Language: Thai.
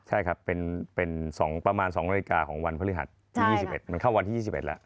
ใช่ครับเป็นประมาณ๒นาฬิกาของวันพฤหัสที่๒๑มันเข้าวันที่๒๑แล้ว